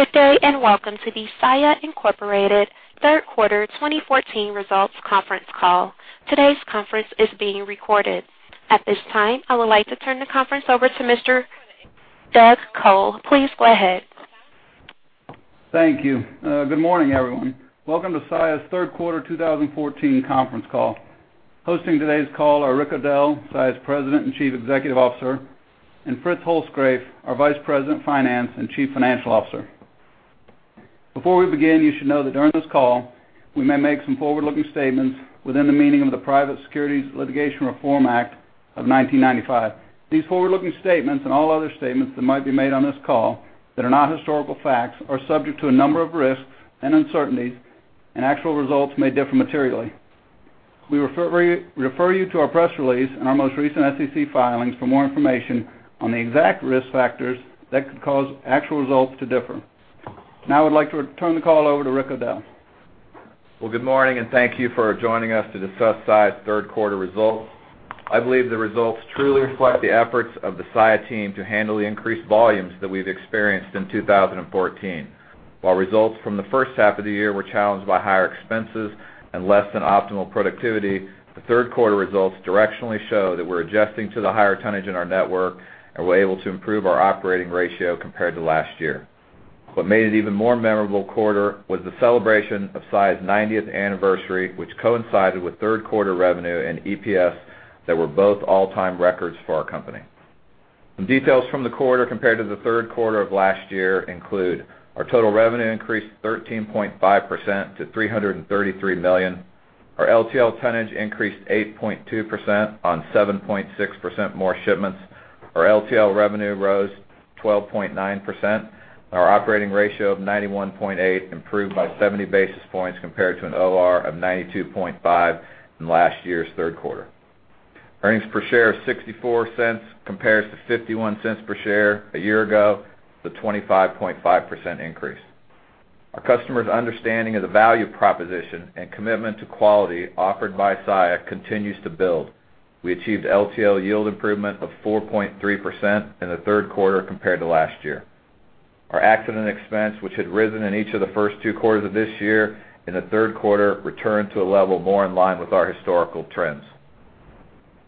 Good day, and welcome to the Saia Incorporated Third Quarter 2014 Results Conference Call. Today's conference is being recorded. At this time, I would like to turn the conference over to Mr. Doug Col. Please go ahead. Thank you. Good morning, everyone. Welcome to Saia's Third Quarter 2014 conference call. Hosting today's call are Rick O'Dell, Saia's President and Chief Executive Officer, and Fritz Holzgrefe, our Vice President, Finance and Chief Financial Officer. Before we begin, you should know that during this call, we may make some forward-looking statements within the meaning of the Private Securities Litigation Reform Act of 1995. These forward-looking statements, and all other statements that might be made on this call that are not historical facts, are subject to a number of risks and uncertainties, and actual results may differ materially. We refer you to our press release and our most recent SEC filings for more information on the exact risk factors that could cause actual results to differ. Now I would like to turn the call over to Rick O'Dell. Well, good morning, and thank you for joining us to discuss Saia's third quarter results. I believe the results truly reflect the efforts of the Saia team to handle the increased volumes that we've experienced in 2014. While results from the first half of the year were challenged by higher expenses and less than optimal productivity, the third quarter results directionally show that we're adjusting to the higher tonnage in our network, and we're able to improve our operating ratio compared to last year. What made it even more memorable quarter was the celebration of Saia's ninetieth anniversary, which coincided with third quarter revenue and EPS that were both all-time records for our company. Some details from the quarter compared to the third quarter of last year include: our total revenue increased 13.5% to $333 million. Our LTL tonnage increased 8.2% on 7.6% more shipments. Our LTL revenue rose 12.9%. Our operating ratio of 91.8 improved by 70 basis points compared to an OR of 92.5 in last year's third quarter. Earnings per share of $0.64 compares to $0.51 per share a year ago, the 25.5% increase. Our customers' understanding of the value proposition and commitment to quality offered by Saia continues to build. We achieved LTL yield improvement of 4.3% in the third quarter compared to last year. Our accident expense, which had risen in each of the first two quarters of this year, in the third quarter, returned to a level more in line with our historical trends.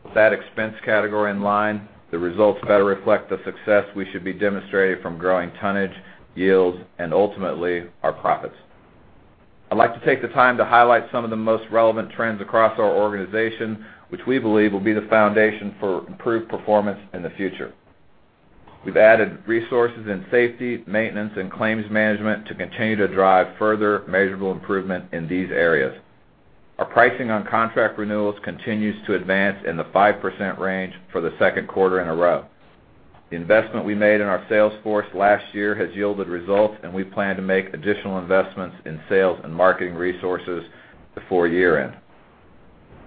With that expense category in line, the results better reflect the success we should be demonstrating from growing tonnage, yields, and ultimately, our profits. I'd like to take the time to highlight some of the most relevant trends across our organization, which we believe will be the foundation for improved performance in the future. We've added resources in safety, maintenance, and claims management to continue to drive further measurable improvement in these areas. Our pricing on contract renewals continues to advance in the 5% range for the second quarter in a row. The investment we made in our sales force last year has yielded results, and we plan to make additional investments in sales and marketing resources before year-end.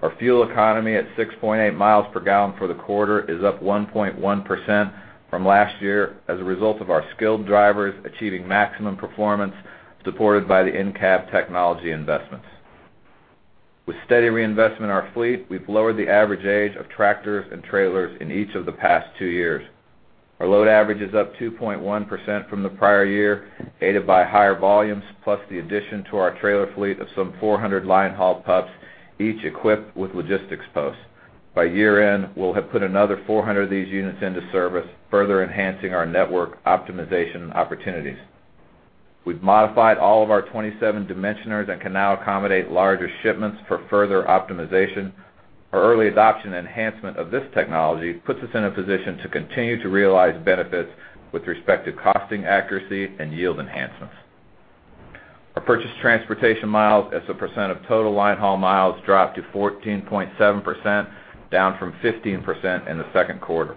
Our fuel economy at 6.8 miles per gallon for the quarter is up 1.1% from last year as a result of our skilled drivers achieving maximum performance, supported by the in-cab technology investments. With steady reinvestment in our fleet, we've lowered the average age of tractors and trailers in each of the past two years. Our load average is up 2.1% from the prior year, aided by higher volumes, plus the addition to our trailer fleet of some 400 linehaul pups, each equipped with logistics posts. By year-end, we'll have put another 400 of these units into service, further enhancing our network optimization opportunities. We've modified all of our 27 dimensioners and can now accommodate larger shipments for further optimization. Our early adoption and enhancement of this technology puts us in a position to continue to realize benefits with respect to costing accuracy and yield enhancements. Our Purchased transportation miles, as a percent of total linehaul miles, dropped to 14.7%, down from 15% in the second quarter.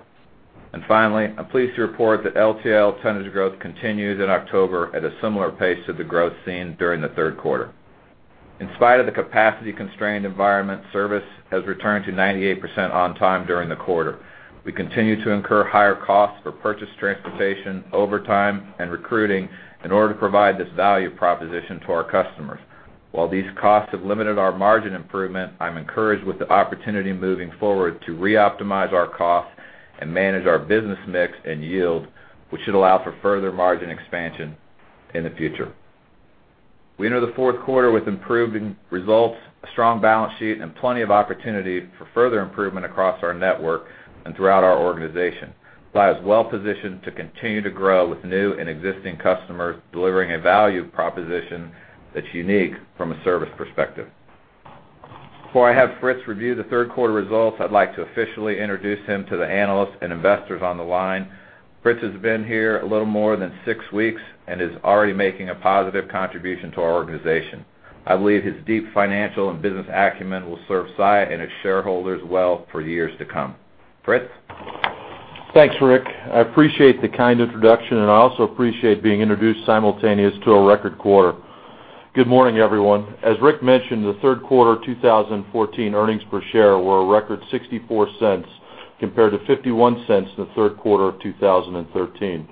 And finally, I'm pleased to report that LTL tonnage growth continued in October at a similar pace to the growth seen during the third quarter. In spite of the capacity-constrained environment, service has returned to 98% on time during the quarter. We continue to incur higher costs for Purchased transportation, overtime, and recruiting in order to provide this value proposition to our customers. While these costs have limited our margin improvement, I'm encouraged with the opportunity moving forward to reoptimize our costs and manage our business mix and yield, which should allow for further margin expansion in the future. We enter the fourth quarter with improved results, a strong balance sheet, and plenty of opportunity for further improvement across our network and throughout our organization. Saia is well positioned to continue to grow with new and existing customers, delivering a value proposition that's unique from a service perspective. Before I have Fritz review the third quarter results, I'd like to officially introduce him to the analysts and investors on the line. Fritz has been here a little more than six weeks and is already making a positive contribution to our organization. I believe his deep financial and business acumen will serve Saia and its shareholders well for years to come. Fritz? Thanks, Rick. I appreciate the kind introduction, and I also appreciate being introduced simultaneously to a record quarter. Good morning, everyone. As Rick mentioned, the third quarter of 2014 earnings per share were a record $0.64, compared to $0.51 in the third quarter of 2013.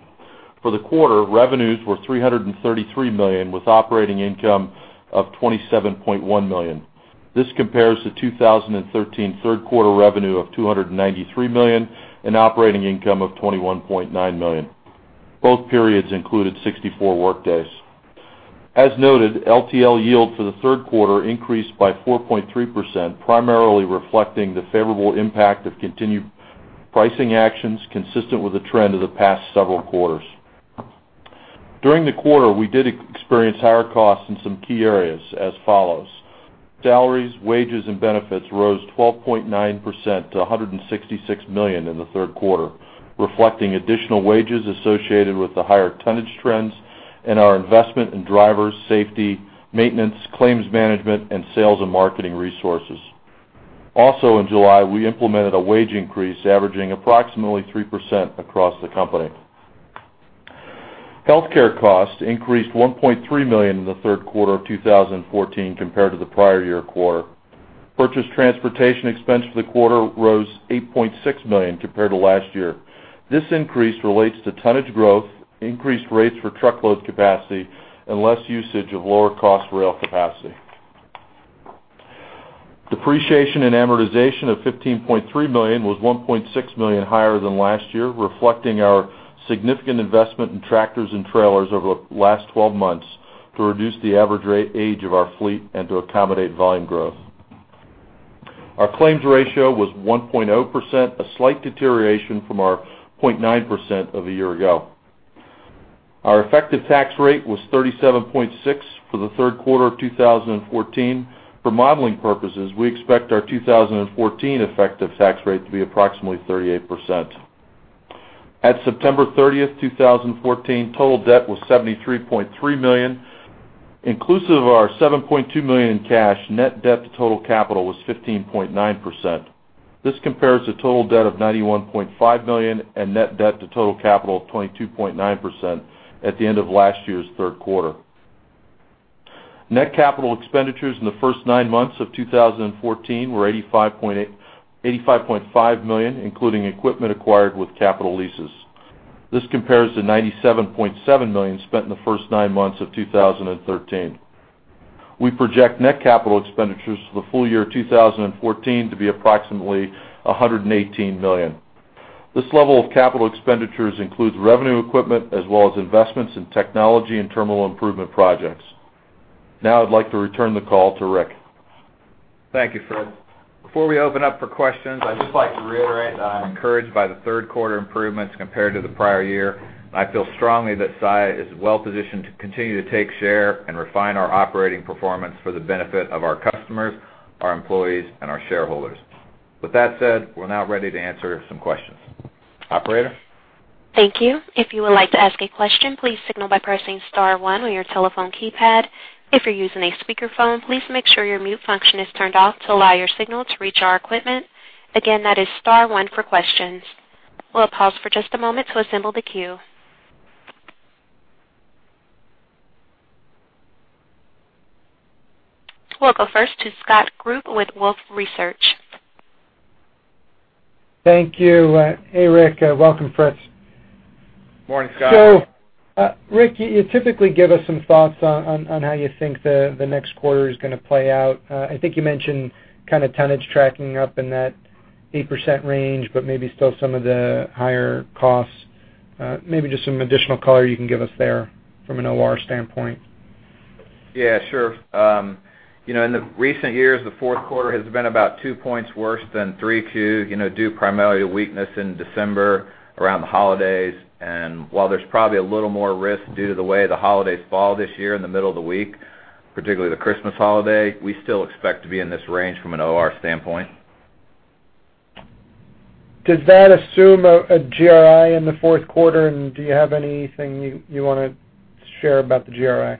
For the quarter, revenues were $333 million, with operating income of $27.1 million. This compares to 2013 third quarter revenue of $293 million and operating income of $21.9 million. Both periods included 64 workdays. As noted, LTL yield for the third quarter increased by 4.3%, primarily reflecting the favorable impact of continued pricing actions, consistent with the trend of the past several quarters. During the quarter, we did experience higher costs in some key areas as follows: salaries, wages, and benefits rose 12.9% to $166 million in the third quarter, reflecting additional wages associated with the higher tonnage trends and our investment in driver safety, maintenance, claims management, and sales and marketing resources. Also, in July, we implemented a wage increase, averaging approximately 3% across the company. Healthcare costs increased $1.3 million in the third quarter of 2014 compared to the prior year Purchased transportation expense for the quarter rose $8.6 million compared to last year. This increase relates to tonnage growth, increased rates for truckload capacity, and less usage of lower-cost rail capacity. Depreciation and amortization of $15.3 million was $1.6 million higher than last year, reflecting our significant investment in tractors and trailers over the last 12 months to reduce the average age of our fleet and to accommodate volume growth. Our claims ratio was 1.0%, a slight deterioration from our 0.9% of a year ago. Our effective tax rate was 37.6% for the third quarter of 2014. For modeling purposes, we expect our 2014 effective tax rate to be approximately 38%. At September 30, 2014, total debt was $73.3 million, inclusive of our $7.2 million in cash, net debt to total capital was 15.9%. This compares to total debt of $91.5 million and net debt to total capital of 22.9% at the end of last year's third quarter. Net capital expenditures in the first nine months of 2014 were $85.5 million, including equipment acquired with capital leases. This compares to $97.7 million spent in the first nine months of 2013. We project net capital expenditures for the full year of 2014 to be approximately $118 million. This level of capital expenditures includes revenue equipment, as well as investments in technology and terminal improvement projects. Now I'd like to return the call to Rick. Thank you, Fritz. Before we open up for questions, I'd just like to reiterate that I'm encouraged by the third quarter improvements compared to the prior year. I feel strongly that Saia is well positioned to continue to take share and refine our operating performance for the benefit of our customers, our employees, and our shareholders. With that said, we're now ready to answer some questions. Operator? Thank you. If you would like to ask a question, please signal by pressing star one on your telephone keypad. If you're using a speakerphone, please make sure your mute function is turned off to allow your signal to reach our equipment. Again, that is star one for questions. We'll pause for just a moment to assemble the queue. We'll go first to Scott Group with Wolfe Research. Thank you. Hey, Rick, welcome, Fritz. Morning, Scott. Rick, you typically give us some thoughts on how you think the next quarter is gonna play out. I think you mentioned kind of tonnage tracking up in that 8% range, but maybe still some of the higher costs. Maybe just some additional color you can give us there from an OR standpoint. Yeah, sure. You know, in the recent years, the fourth quarter has been about two points worse than 3Q, you know, due primarily to weakness in December around the holidays. While there's probably a little more risk due to the way the holidays fall this year in the middle of the week, particularly the Christmas holiday, we still expect to be in this range from an OR standpoint. Does that assume a GRI in the fourth quarter, and do you have anything you wanna share about the GRI? You know,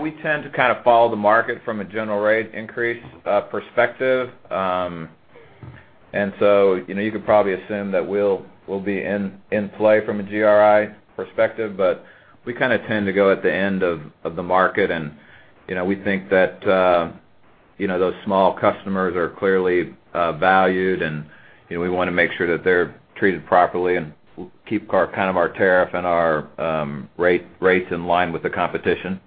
we tend to kind of follow the market from a general rate increase perspective. And so, you know, you could probably assume that we'll be in play from a GRI perspective, but we kinda tend to go at the end of the market. And, you know, we think that, you know, those small customers are clearly valued, and, you know, we wanna make sure that they're treated properly, and we'll keep our kind of our tariff and our rates in line with the competition.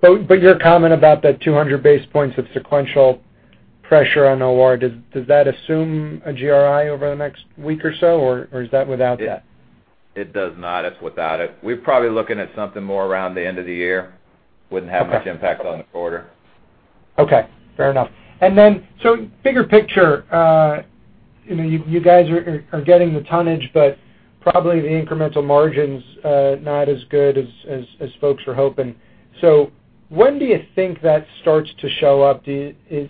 But your comment about that 200 basis points of sequential pressure on OR, does that assume a GRI over the next week or so, or is that without that? It does not. It's without it. We're probably looking at something more around the end of the year. Okay. Wouldn't have much impact on the quarter. Okay, fair enough. Bigger picture, you know, you guys are getting the tonnage, but probably the incremental margins not as good as folks were hoping. So when do you think that starts to show up? Do you...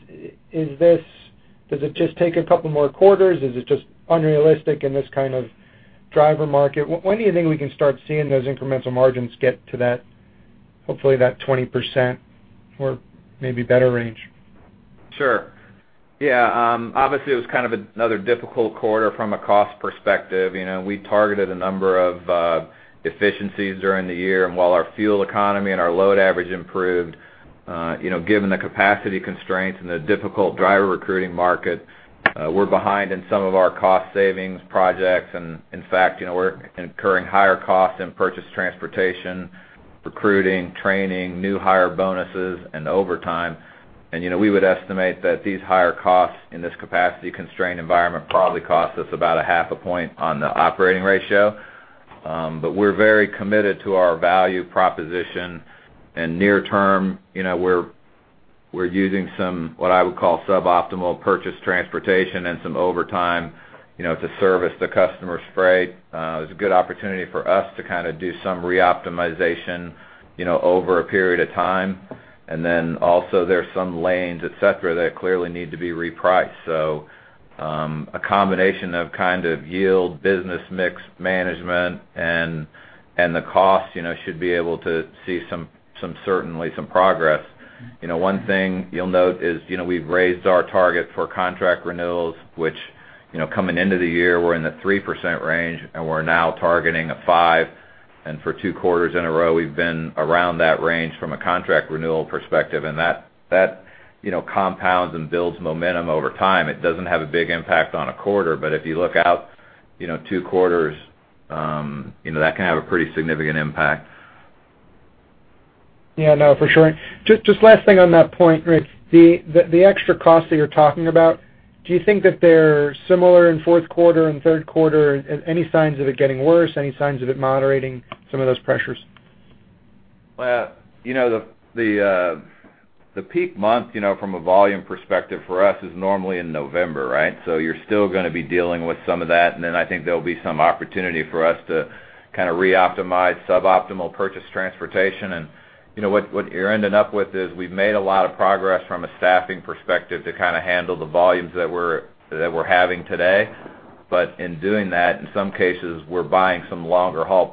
Is this—does it just take a couple more quarters? Is it just unrealistic in this kind of driver market? When do you think we can start seeing those incremental margins get to that, hopefully that 20% or maybe better range? Sure. Yeah, obviously, it was kind of another difficult quarter from a cost perspective. You know, we targeted a number of efficiencies during the year, and while our fuel economy and our load average improved, you know, given the capacity constraints and the difficult driver recruiting market, we're behind in some of our cost savings projects. And in fact, you know, we're incurring higher costs Purchased transportation, recruiting, training, new hire bonuses, and overtime. And, you know, we would estimate that these higher costs in this capacity-constrained environment probably cost us about 0.5 point on the operating ratio. But we're very committed to our value proposition, and near term, you know, we're, we're using some, what I would call, Purchased transportation and some overtime, you know, to service the customer's freight. It's a good opportunity for us to kind of do some reoptimization, you know, over a period of time. And then also, there are some lanes, et cetera, that clearly need to be repriced. So, a combination of kind of yield, business mix management and the cost, you know, should be able to see some, certainly some progress. You know, one thing you'll note is, you know, we've raised our target for contract renewals, which, you know, coming into the year, we're in the 3% range, and we're now targeting a 5. And for two quarters in a row, we've been around that range from a contract renewal perspective, and that, that, you know, compounds and builds momentum over time. It doesn't have a big impact on a quarter, but if you look out, you know, two quarters, you know, that can have a pretty significant impact. Yeah, no, for sure. Just, just last thing on that point, Rick. The, the extra cost that you're talking about, do you think that they're similar in fourth quarter and third quarter? Any signs of it getting worse? Any signs of it moderating some of those pressures? Well, you know, the peak month, you know, from a volume perspective for us, is normally in November, right? So you're still gonna be dealing with some of that, and then I think there'll be some opportunity for us to kind of reoptimize Purchased transportation. and, you know, what you're ending up with is, we've made a lot of progress from a staffing perspective to kind of handle the volumes that we're having today. But in doing that, in some cases, we're buying some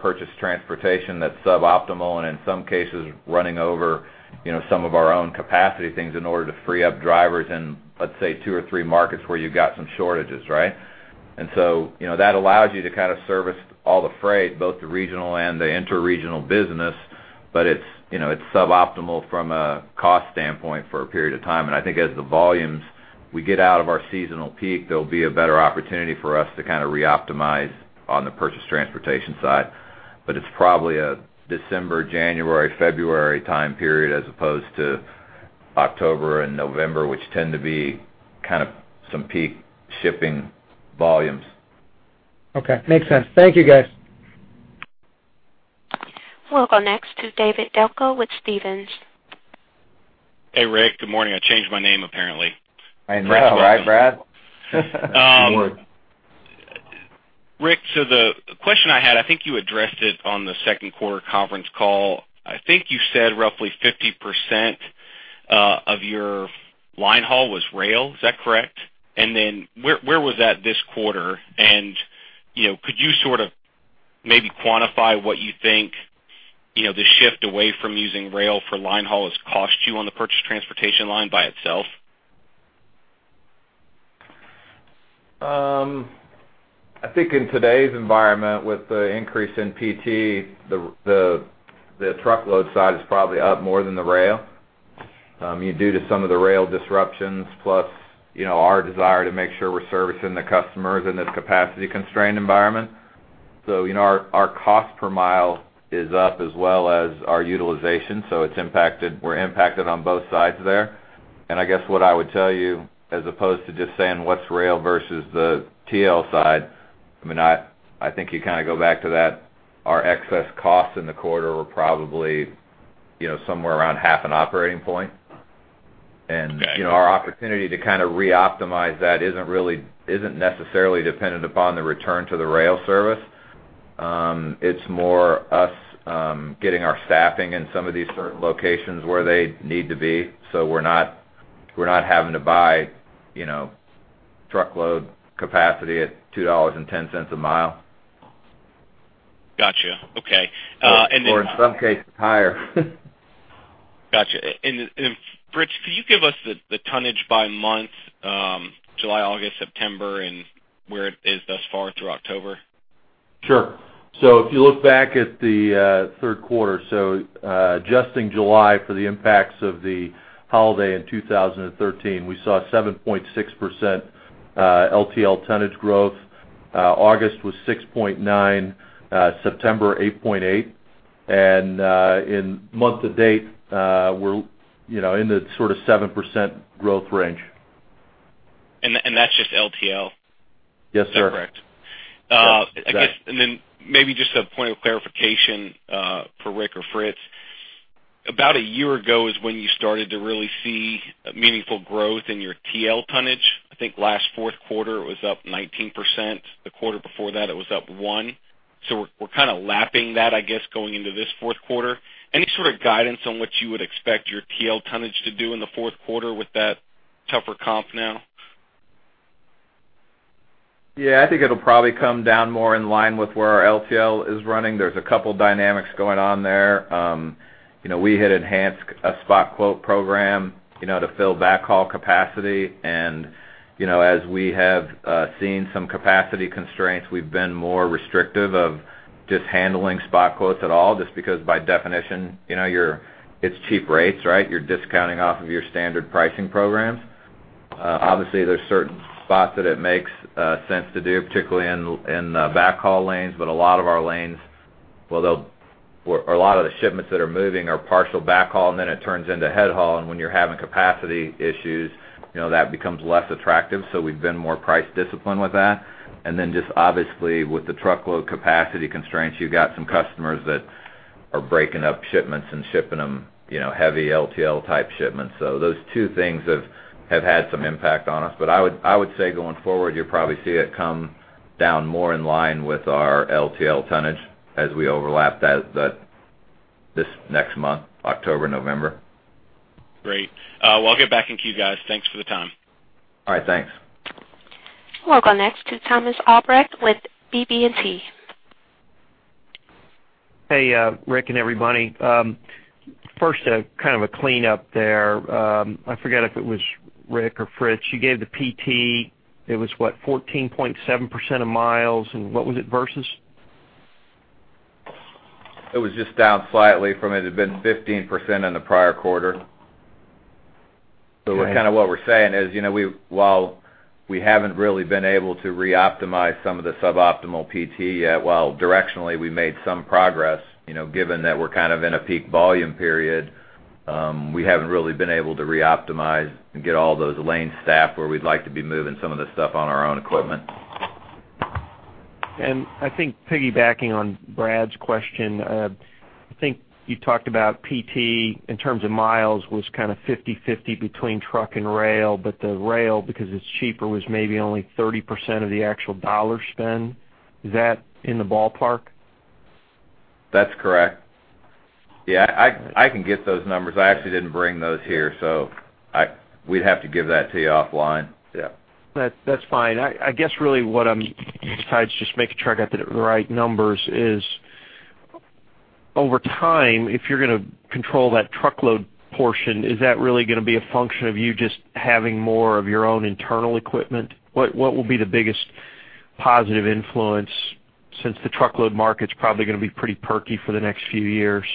Purchased transportation that's suboptimal, and in some cases, running over, you know, some of our own capacity things in order to free up drivers in, let's say, two or three markets where you've got some shortages, right? And so, you know, that allows you to kind of service all the freight, both the regional and the interregional business, but it's, you know, it's suboptimal from a cost standpoint for a period of time. And I think as the volumes, we get out of our seasonal peak, there'll be a better opportunity for us to kind of reoptimize on Purchased transportation side. But it's probably a December, January, February time period, as opposed to October and November, which tend to be kind of some peak shipping volumes. Okay, makes sense. Thank you, guys. We'll go next to Brad Delco with Stephens. Hey, Rick, good morning. I changed my name, apparently. I know, right, Brad? Good morning. Rick, so the question I had, I think you addressed it on the second quarter conference call. I think you said roughly 50% of your line haul was rail. Is that correct? And then where, where was that this quarter? And, you know, could you sort of maybe quantify what you think, you know, the shift away from using rail for line haul has cost you on Purchased transportation line by itself? I think in today's environment, with the increase in PT, the truckload side is probably up more than the rail. Due to some of the rail disruptions, plus, you know, our desire to make sure we're servicing the customers in this capacity-constrained environment. So, you know, our cost per mile is up as well as our utilization, so it's impacted. We're impacted on both sides there. And I guess what I would tell you, as opposed to just saying what's rail versus the TL side, I mean, I think you kind of go back to that. Our excess costs in the quarter were probably, you know, somewhere around half an operating point. And, you know, our opportunity to kind of reoptimize that isn't really-- isn't necessarily dependent upon the return to the rail service. It's more us getting our staffing in some of these certain locations where they need to be, so we're not, we're not having to buy, you know, truckload capacity at $2.10 a mile. Gotcha. Okay, and then- Or in some cases, higher. Gotcha. And Fritz, can you give us the tonnage by month, July, August, September, and where it is thus far through October? Sure. So if you look back at the, third quarter, so, adjusting July for the impacts of the holiday in 2013, we saw a 7.6% LTL tonnage growth. August was 6.9%, September, 8.8%. And, in month to date, we're, you know, in the sort of 7% growth range. And that's just LTL? Yes, sir. Correct. Yes, exactly. I guess, and then maybe just a point of clarification, for Rick or Fritz. About a year ago is when you started to really see a meaningful growth in your TL tonnage. I think last fourth quarter, it was up 19%. The quarter before that, it was up 1%. So we're, we're kind of lapping that, I guess, going into this fourth quarter. Any sort of guidance on what you would expect your TL tonnage to do in the fourth quarter with that tougher comp now? Yeah, I think it'll probably come down more in line with where our LTL is running. There's a couple dynamics going on there. You know, we had enhanced a spot quote program, you know, to fill backhaul capacity. And, you know, as we have seen some capacity constraints, we've been more restrictive of just handling spot quotes at all, just because, by definition, you know, it's cheap rates, right? You're discounting off of your standard pricing programs. Obviously, there's certain spots that it makes sense to do, particularly in the backhaul lanes, but a lot of our lanes, or a lot of the shipments that are moving are partial backhaul, and then it turns into head haul, and when you're having capacity issues, you know, that becomes less attractive. So we've been more price disciplined with that. And then just obviously, with the truckload capacity constraints, you've got some customers that are breaking up shipments and shipping them, you know, heavy LTL-type shipments. So those two things have had some impact on us. But I would say, going forward, you'll probably see it come down more in line with our LTL tonnage as we overlap that this next month, October, November. Great. Well, I'll get back into you guys. Thanks for the time. All right, thanks. We'll go next to Thomas Albrecht with BB&T. Hey, Rick and everybody. First, kind of a cleanup there. I forget if it was Rick or Fritz. You gave the PT. It was, what? 14.7% of miles, and what was it versus? It was just down slightly from it had been 15% in the prior quarter. Okay. So kind of what we're saying is, you know, while we haven't really been able to reoptimize some of the suboptimal PT yet, while directionally we made some progress, you know, given that we're kind of in a peak volume period, we haven't really been able to reoptimize and get all those lanes staffed where we'd like to be moving some of the stuff on our own equipment. And I think piggybacking on Brad's question, I think you talked about PT in terms of miles, was kind of 50/50 between truck and rail, but the rail, because it's cheaper, was maybe only 30% of the actual dollar spend. Is that in the ballpark? That's correct. Yeah, I, I can get those numbers. I actually didn't bring those here, so I... We'd have to give that to you offline. Yeah. That's fine. I guess really what I'm trying to just making sure I got the right numbers is, over time, if you're going to control that truckload portion, is that really going to be a function of you just having more of your own internal equipment? What will be the biggest positive influence since the truckload market's probably going to be pretty perky for the next few years?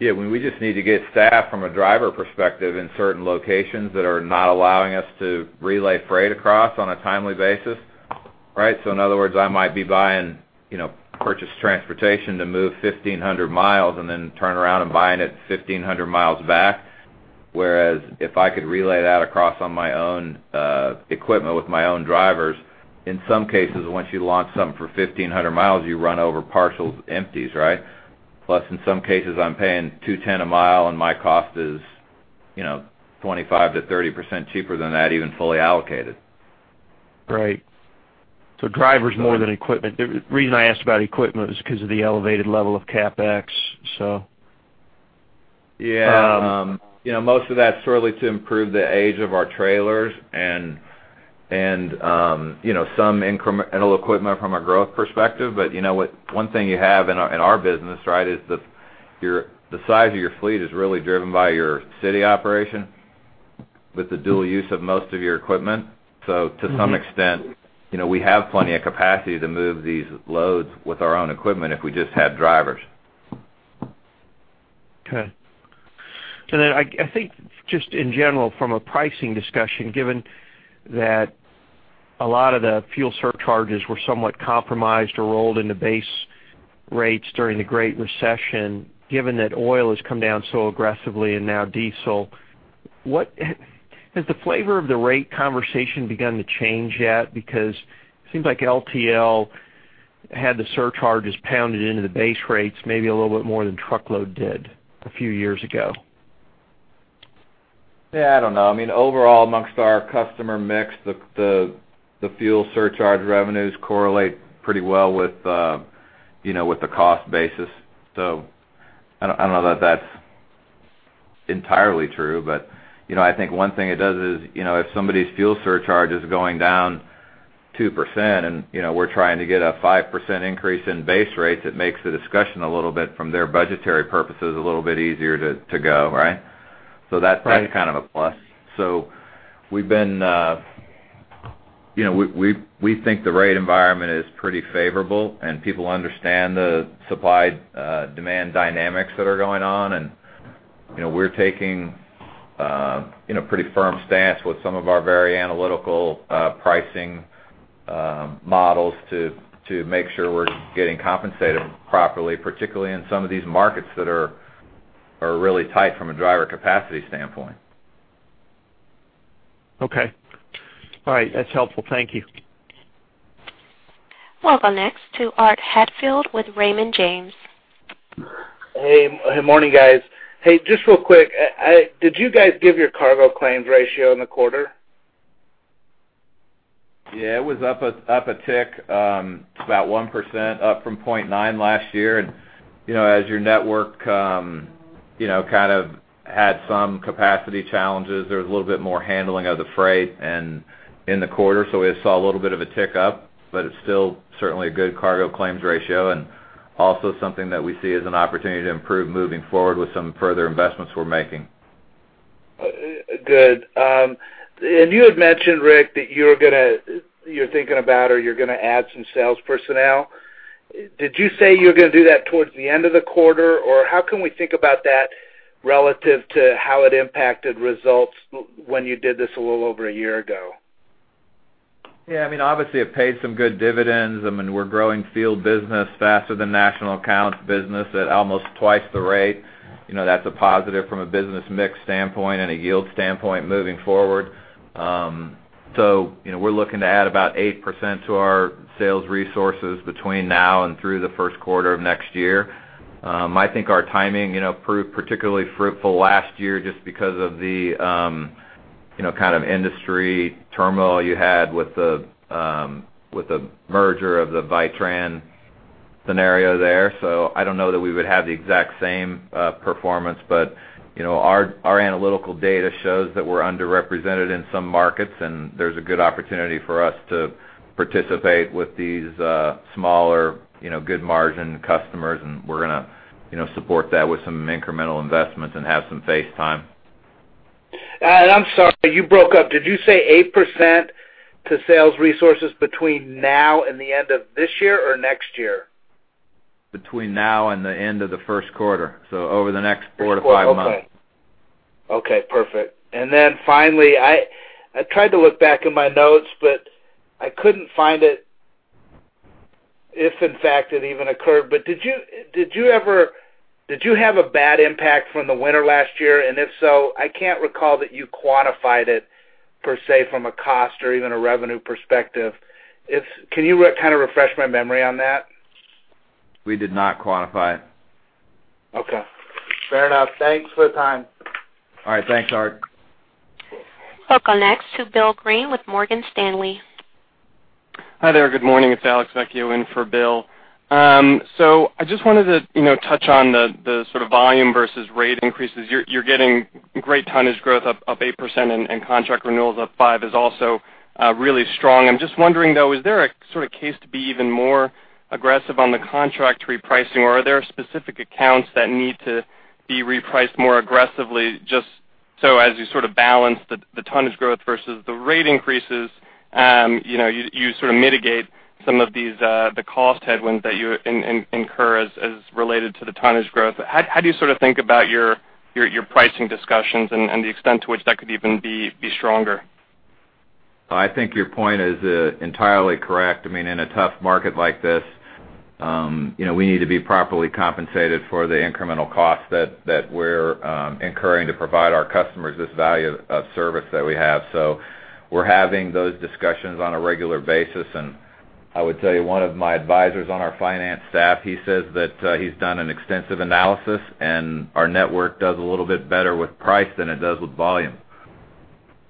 Yeah, we just need to get staff from a driver perspective in certain locations that are not allowing us to relay freight across on a timely basis, right? So in other words, I might be buying, you Purchased transportation to move 1,500 miles and then turn around and buying it 1,500 miles back. Whereas if I could relay that across on my own equipment, with my own drivers, in some cases, once you launch something for 1,500 miles, you run over partial empties, right? Plus, in some cases, I'm paying $2.10 a mile, and my cost is, you know, 25%-30% cheaper than that, even fully allocated. Right. So drivers more than equipment. The reason I asked about equipment is because of the elevated level of CapEx, so. Yeah, you know, most of that's really to improve the age of our trailers and you know, some incremental equipment from a growth perspective. But, you know, one thing you have in our business, right, is that the size of your fleet is really driven by your city operation with the dual use of most of your equipment. So to some extent, you know, we have plenty of capacity to move these loads with our own equipment if we just have drivers. Okay. So then, I think, just in general, from a pricing discussion, given that a lot of the fuel surcharges were somewhat compromised or rolled into base rates during the Great Recession, given that oil has come down so aggressively and now diesel, what has the flavor of the rate conversation begun to change yet? Because it seems like LTL had the surcharges pounded into the base rates, maybe a little bit more than truckload did a few years ago. Yeah, I don't know. I mean, overall, among our customer mix, the fuel surcharge revenues correlate pretty well with, you know, with the cost basis. So I don't know that that's entirely true, but, you know, I think one thing it does is, you know, if somebody's fuel surcharge is going down 2% and, you know, we're trying to get a 5% increase in base rates, it makes the discussion a little bit, from their budgetary purposes, a little bit easier to go, right? Right. So that's kind of a plus. So we've been, you know, we think the rate environment is pretty favorable, and people understand the supply, demand dynamics that are going on. And, you know, we're taking, you know, pretty firm stance with some of our very analytical, pricing, models to make sure we're getting compensated properly, particularly in some of these markets that are really tight from a driver capacity standpoint. Okay. All right. That's helpful. Thank you. Welcome next to Art Hatfield with Raymond James. Hey, good morning, guys. Hey, just real quick, did you guys give your cargo claims ratio in the quarter? Yeah, it was up a, up a tick, about 1%, up from 0.9 last year. And, you know, as your network, you know, kind of had some capacity challenges, there was a little bit more handling of the freight and in the quarter, so we saw a little bit of a tick up, but it's still certainly a good cargo claims ratio and also something that we see as an opportunity to improve moving forward with some further investments we're making. Good. And you had mentioned, Rick, that you're going to... You're thinking about or you're going to add some sales personnel? Did you say you were going to do that towards the end of the quarter? Or how can we think about that relative to how it impacted results when you did this a little over a year ago? Yeah, I mean, obviously, it paid some good dividends. I mean, we're growing field business faster than national accounts business at almost twice the rate. You know, that's a positive from a business mix standpoint and a yield standpoint moving forward. So, you know, we're looking to add about 8% to our sales resources between now and through the first quarter of next year. I think our timing, you know, proved particularly fruitful last year just because of the, you know, kind of industry turmoil you had with the, with the merger of the Vitran scenario there. I don't know that we would have the exact same performance, but you know, our analytical data shows that we're underrepresented in some markets, and there's a good opportunity for us to participate with these smaller, you know, good margin customers, and we're gonna you know, support that with some incremental investments and have some face time. I'm sorry, you broke up. Did you say 8% to sales resources between now and the end of this year or next year? Between now and the end of the first quarter, so over the next 4-5 months. Okay. Okay, perfect. And then finally, I tried to look back in my notes, but I couldn't find it, if in fact it even occurred. But did you ever have a bad impact from the winter last year? And if so, I can't recall that you quantified it per se, from a cost or even a revenue perspective. Can you kind of refresh my memory on that? We did not quantify it. Okay, fair enough. Thanks for the time. All right. Thanks, Art. We'll go next to Bill Greene with Morgan Stanley. Hi there. Good morning, it's Alex Vecchio in for Bill. So I just wanted to, you know, touch on the sort of volume versus rate increases. You're getting great tonnage growth of 8% and contract renewals of 5% is also really strong. I'm just wondering, though, is there a sort of case to be even more aggressive on the contract repricing, or are there specific accounts that need to be repriced more aggressively? Just so as you sort of balance the tonnage growth versus the rate increases, you know, you sort of mitigate some of these the cost headwinds that you incur as related to the tonnage growth. How do you sort of think about your pricing discussions and the extent to which that could even be stronger? I think your point is entirely correct. I mean, in a tough market like this, you know, we need to be properly compensated for the incremental costs that, that we're incurring to provide our customers this value of service that we have. So we're having those discussions on a regular basis, and I would tell you, one of my advisors on our finance staff, he says that he's done an extensive analysis, and our network does a little bit better with price than it does with volume.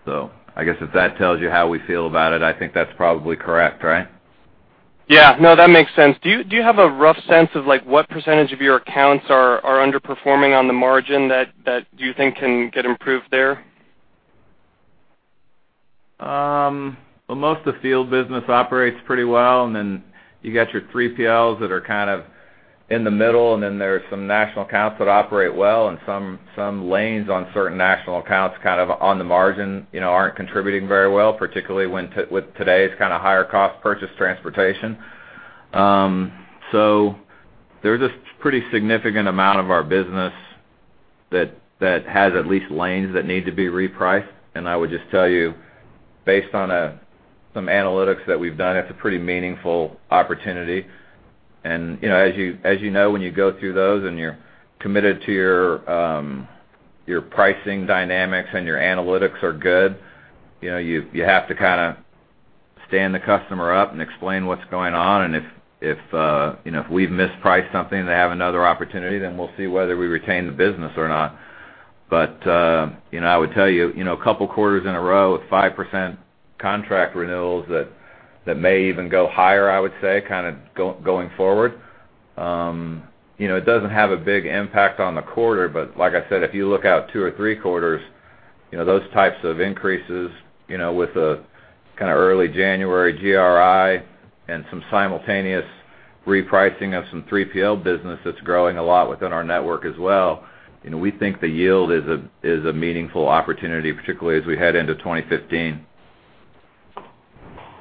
So I guess if that tells you how we feel about it, I think that's probably correct, right? Yeah. No, that makes sense. Do you, do you have a rough sense of, like, what percentage of your accounts are, are underperforming on the margin that, that you think can get improved there? Well, most of the field business operates pretty well, and then you got your 3PLs that are kind of in the middle, and then there's some national accounts that operate well, and some lanes on certain national accounts, kind of on the margin, you know, aren't contributing very well, particularly with today's kind of higher Purchased transportation. so there's a pretty significant amount of our business that has at least lanes that need to be repriced. And I would just tell you, based on some analytics that we've done, it's a pretty meaningful opportunity. You know, as you know, when you go through those and you're committed to your pricing dynamics and your analytics are good, you know, you have to kind of stand the customer up and explain what's going on, and if you know, if we've mispriced something, they have another opportunity, then we'll see whether we retain the business or not. But you know, I would tell you, you know, a couple quarters in a row with 5% contract renewals that may even go higher, I would say, kind of going forward. You know, it doesn't have a big impact on the quarter, but like I said, if you look out two or three quarters, you know, those types of increases, you know, with the kind of early January GRI and some simultaneous repricing of some 3PL business that's growing a lot within our network as well, you know, we think the yield is a, is a meaningful opportunity, particularly as we head into 2015.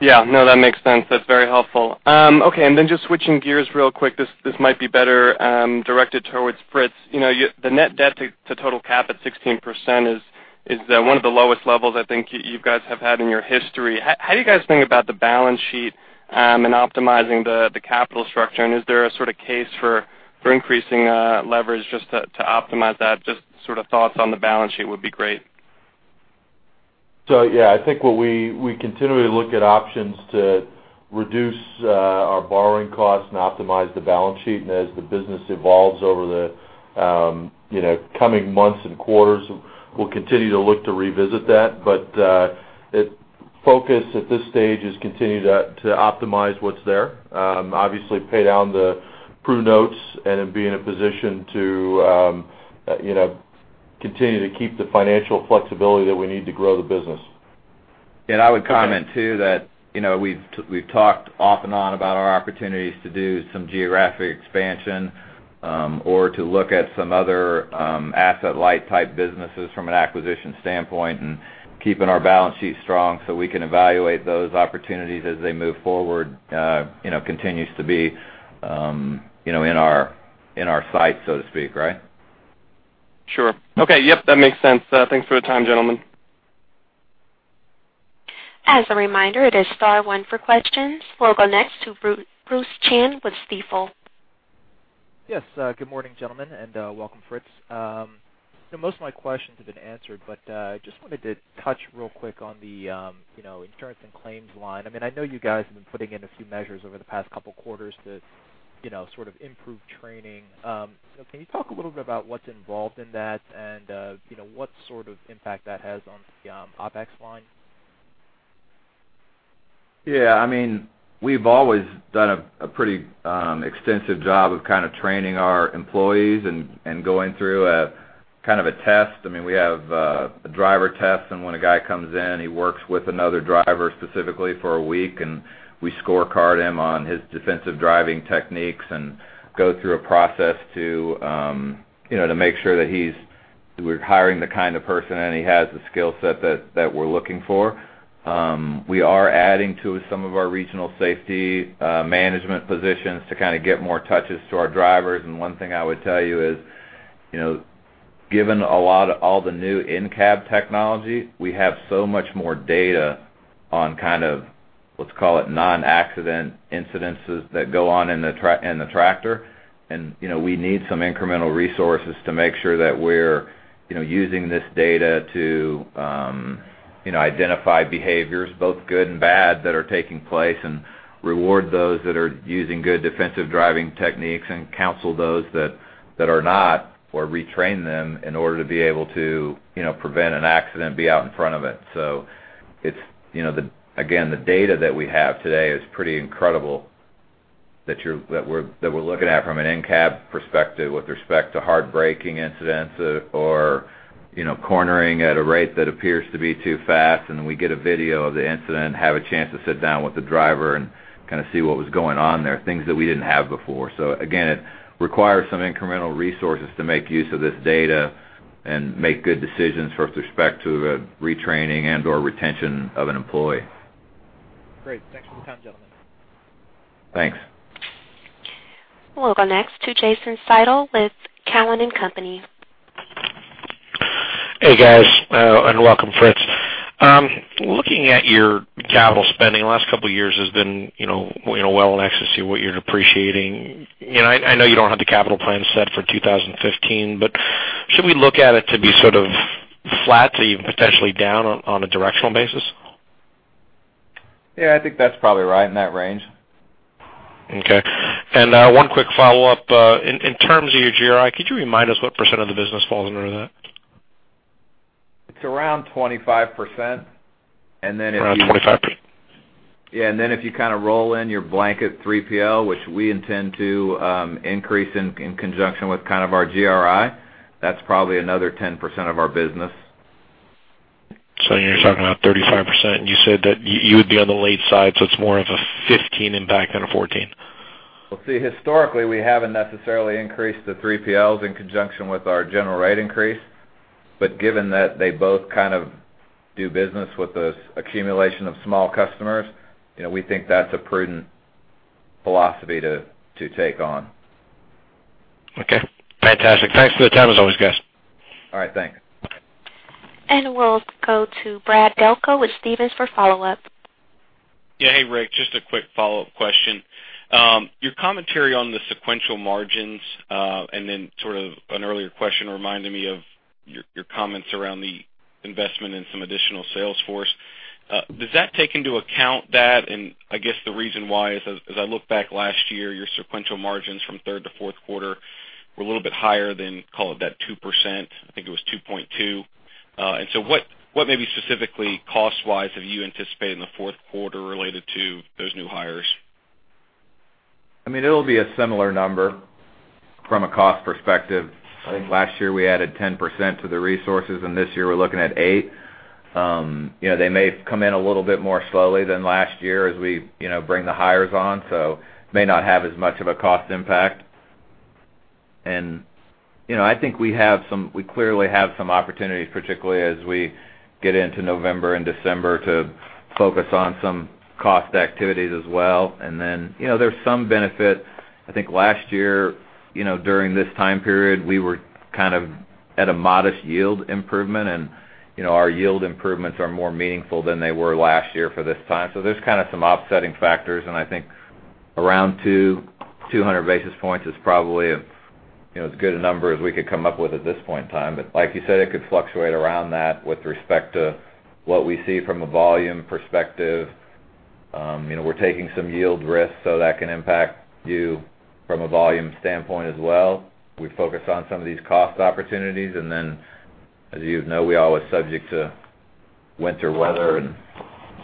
Yeah. No, that makes sense. That's very helpful. Okay, and then just switching gears real quick. This might be better directed towards Fritz. You know, the net debt to total cap at 16% is one of the lowest levels I think you guys have had in your history. How do you guys think about the balance sheet and optimizing the capital structure? And is there a sort of case for increasing leverage just to optimize that? Just sort of thoughts on the balance sheet would be great. So yeah, I think what we continually look at options to reduce our borrowing costs and optimize the balance sheet. And as the business evolves over the, you know, coming months and quarters, we'll continue to look to revisit that. But the focus at this stage is continue to optimize what's there. Obviously, pay down the Pru notes and then be in a position to, you know, continue to keep the financial flexibility that we need to grow the business. And I would comment, too, that, you know, we've, we've talked off and on about our opportunities to do some geographic expansion. Or to look at some other, asset-light type businesses from an acquisition standpoint, and keeping our balance sheet strong so we can evaluate those opportunities as they move forward, you know, continues to be, you know, in our, in our sight, so to speak. Right? Sure. Okay. Yep, that makes sense. Thanks for the time, gentlemen. As a reminder, it is star one for questions. We'll go next to Bruce Chan with Stifel. Yes, good morning, gentlemen, and welcome, Fritz. So most of my questions have been answered, but just wanted to touch real quick on the, you know, insurance and claims line. I mean, I know you guys have been putting in a few measures over the past couple quarters to, you know, sort of improve training. So can you talk a little bit about what's involved in that and, you know, what sort of impact that has on the OpEx line? Yeah, I mean, we've always done a pretty extensive job of kind of training our employees and going through a kind of a test. I mean, we have a driver test, and when a guy comes in, he works with another driver specifically for a week, and we scorecard him on his defensive driving techniques and go through a process to, you know, to make sure that he's-- we're hiring the kind of person, and he has the skill set that we're looking for. We are adding to some of our regional safety management positions to kind of get more touches to our drivers. And one thing I would tell you is, you know, given a lot of all the new in-cab technology, we have so much more data on kind of, let's call it, non-accident incidents that go on in the tractor. And, you know, we need some incremental resources to make sure that we're, you know, using this data to, you know, identify behaviors, both good and bad, that are taking place, and reward those that are using good defensive driving techniques, and counsel those that, that are not or retrain them in order to be able to, you know, prevent an accident, be out in front of it. So it's, you know, the... Again, the data that we have today is pretty incredible that we're looking at from an in-cab perspective with respect to hard braking incidents or, you know, cornering at a rate that appears to be too fast, and then we get a video of the incident, have a chance to sit down with the driver and kind of see what was going on there, things that we didn't have before. So again, it requires some incremental resources to make use of this data and make good decisions with respect to the retraining and/or retention of an employee. Great. Thanks for the time, gentlemen. Thanks. We'll go next to Jason Seidel with Cowen and Company. Hey, guys, and welcome, Fritz. Looking at your capital spending, the last couple years has been, you know, well in excess to what you're appreciating. You know, I know you don't have the capital plan set for 2015, but should we look at it to be sort of flat to even potentially down on a directional basis? Yeah, I think that's probably right, in that range. Okay. And one quick follow-up. In terms of your GRI, could you remind us what percent of the business falls under that? It's around 25%. And then if you- Around 25%. Yeah, and then if you kind of roll in your blanket 3PL, which we intend to increase in conjunction with kind of our GRI, that's probably another 10% of our business. So you're talking about 35%, and you said that you would be on the late side, so it's more of a 15 impact than a 14. Well, see, historically, we haven't necessarily increased the 3PLs in conjunction with our general rate increase. But given that they both kind of do business with this accumulation of small customers, you know, we think that's a prudent philosophy to take on. Okay, fantastic. Thanks for the time, as always, guys. All right, thanks. We'll go to Brad Delco with Stephens for follow-up. Yeah. Hey, Rick, just a quick follow-up question. Your commentary on the sequential margins, and then sort of an earlier question reminded me of your comments around the investment in some additional sales force. Does that take into account that? And I guess the reason why is, as I look back last year, your sequential margins from third to fourth quarter were a little bit higher than, call it, that 2%. I think it was 2.2. And so what maybe specifically, cost-wise, have you anticipated in the fourth quarter related to those new hires? I mean, it'll be a similar number from a cost perspective. I think last year we added 10% to the resources, and this year we're looking at 8%. You know, they may come in a little bit more slowly than last year as we, you know, bring the hires on, so may not have as much of a cost impact. And, you know, I think we have some we clearly have some opportunities, particularly as we get into November and December, to focus on some cost activities as well. And then, you know, there's some benefit. I think last year, you know, during this time period, we were kind of at a modest yield improvement, and, you know, our yield improvements are more meaningful than they were last year for this time. So there's kind of some offsetting factors, and I think around 200 basis points is probably a, you know, as good a number as we could come up with at this point in time. But like you said, it could fluctuate around that with respect to what we see from a volume perspective. You know, we're taking some yield risk, so that can impact you from a volume standpoint as well. We focus on some of these cost opportunities, and then, as you know, we are always subject to winter weather and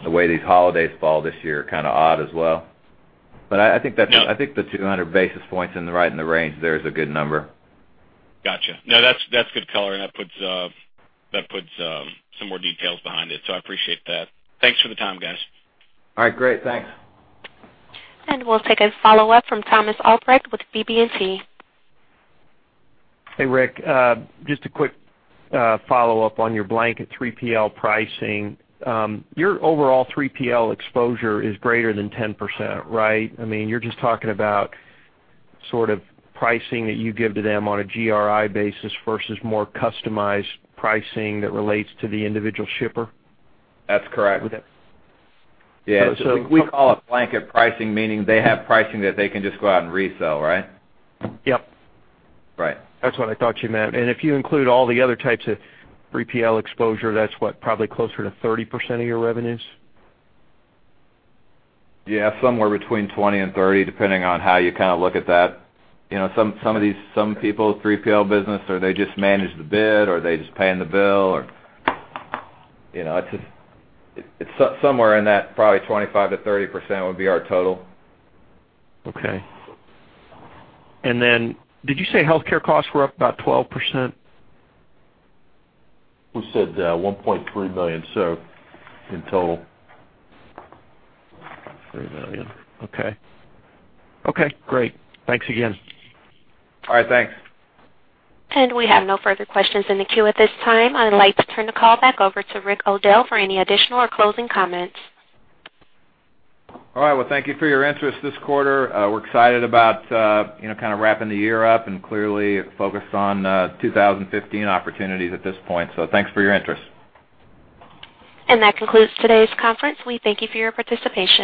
the way these holidays fall this year are kind of odd as well. But I, I think that- Yeah. I think the 200 basis points in the right in the range there is a good number. Gotcha. No, that's good color, and that puts some more details behind it, so I appreciate that. Thanks for the time, guys. All right, great. Thanks. We'll take a follow-up from Thomas Albrecht with BB&T. Hey, Rick, just a quick follow-up on your blanket 3PL pricing. Your overall 3PL exposure is greater than 10%, right? I mean, you're just talking about sort of pricing that you give to them on a GRI basis versus more customized pricing that relates to the individual shipper? That's correct. Okay. Yeah. So, so- We call it blanket pricing, meaning they have pricing that they can just go out and resell, right? Yep. Right. That's what I thought you meant. And if you include all the other types of 3PL exposure, that's what? Probably closer to 30% of your revenues. Yeah, somewhere between 20 and 30, depending on how you kind of look at that. You know, some of these – some people, 3PL business, or they just manage the bid, or they're just paying the bill, or, you know, it's somewhere in that probably 25%-30% would be our total. Okay. And then, did you say healthcare costs were up about 12%? We said, $1.3 million, so in total. $3 million. Okay. Okay, great. Thanks again. All right, thanks. We have no further questions in the queue at this time. I'd like to turn the call back over to Rick O'Dell for any additional or closing comments. All right. Well, thank you for your interest this quarter. We're excited about, you know, kind of wrapping the year up and clearly focused on 2015 opportunities at this point. So thanks for your interest. That concludes today's conference. We thank you for your participation.